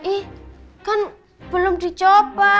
ih kan belum dicoba